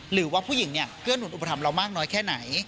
หรือว่าผู้หญิงเนี่ยเกื้อหนุนอุปถัมภเรามากน้อยแค่ไหน